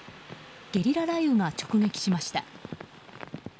ゲリラ雷雨が直撃しました。